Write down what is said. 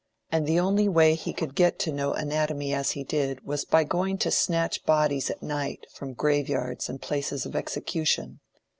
And the only way he could get to know anatomy as he did, was by going to snatch bodies at night, from graveyards and places of execution."